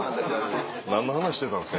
何の話してたんですか？